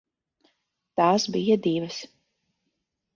Tās bija divas.